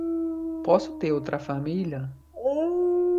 Posso ter outra família?